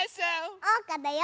おうかだよ。